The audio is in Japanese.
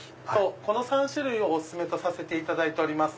この３種類をお薦めとさせていただいてます。